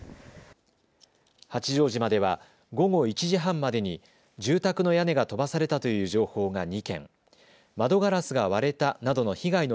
八丈島では午後１時半までに住宅の屋根が飛ばされたという情報が２件、窓ガラスが割れたなどの